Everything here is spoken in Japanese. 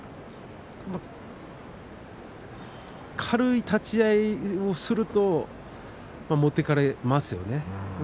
軽い立ち合いをすると持っていかれますよね。